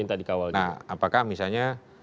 nah apakah misalnya